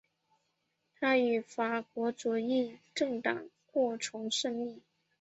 他与法国左翼政党过从甚密。